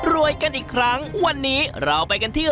กันอีกครั้งวันนี้เราไปกันที่